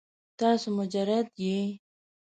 تاسو مجرد یې؟